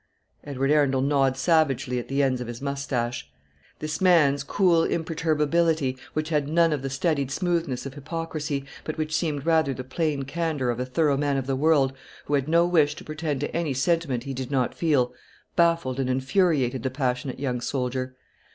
Edward Arundel gnawed savagely at the ends of his moustache. This man's cool imperturbability, which had none of the studied smoothness of hypocrisy, but which seemed rather the plain candour of a thorough man of the world, who had no wish to pretend to any sentiment he did not feel, baffled and infuriated the passionate young soldier.